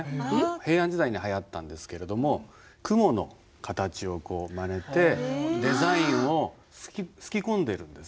平安時代にはやったんですけれども雲の形をまねてデザインをすき込んでるんですね。